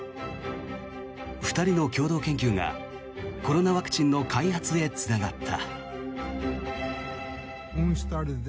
２人の共同研究がコロナワクチンの開発へつながった。